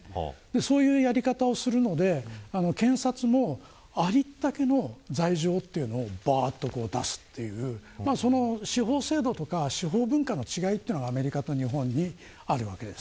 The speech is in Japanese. そういうやり方をするので検察も、ありったけの罪状というのを出すという司法制度とか司法文化の違いがアメリカと日本にあるわけです。